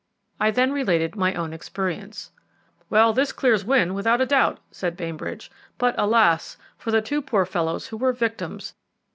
I then related my own experience. "Well, this clears Wynne, without doubt," said Bainbridge; "but alas! for the two poor fellows who were victims.